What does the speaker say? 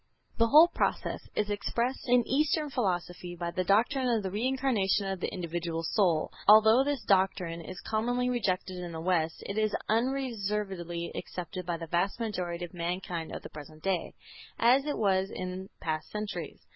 The whole process is expressed in Eastern philosophy by the doctrine of the Reincarnation of the individual soul. Although this doctrine is commonly rejected in the West, it is unreservedly accepted by the vast majority of mankind of the present day, as it was in past centuries.